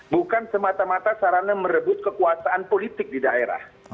bukan semata mata sarana merebut kekuasaan politik di daerah